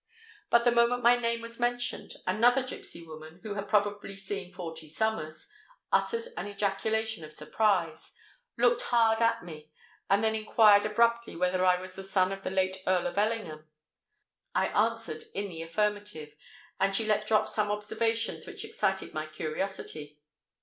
But the moment my name was mentioned, another gipsy woman, who had probably seen forty summers, uttered an ejaculation of surprise—looked hard at me—and then inquired abruptly whether I was the son of the late Earl of Ellingham. I answered in the affirmative; and she let drop some observations which excited my curiosity.